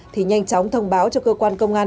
thì nhanh chóng thông báo cho cơ quan công an